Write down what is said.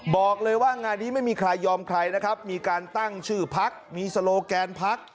บอกเลยว่างานนี้ไม่มีใครยอมใครนะครับมีการตั้งชื่อพักมีโลแกนพัก